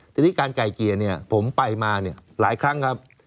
ทีนี้การไกล่เกลี่ยผมไปมาหลายครั้งครับ